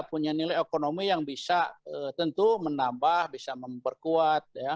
punya nilai ekonomi yang bisa tentu menambah bisa memperkuat ya